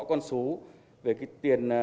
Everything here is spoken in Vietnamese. con số về cái tiền